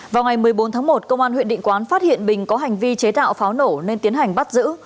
vào ngày một mươi bốn tháng một công an huyện định quán phát hiện bình có hành vi chế tạo pháo nổ nên tiến hành bắt giữ